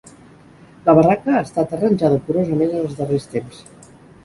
La barraca ha estat arranjada curosament en els darrers temps.